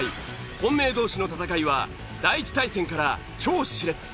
本命同士の戦いは第１対戦から超熾烈。